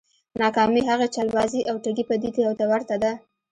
ناکامي هغې چلبازې او ټګې پديدې ته ورته ده.